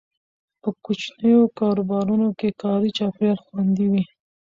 په کوچنیو کاروبارونو کې کاري چاپیریال خوندي وي.